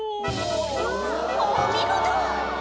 お見事！